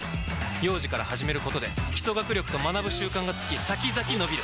幼児から始めることで基礎学力と学ぶ習慣がつき先々のびる！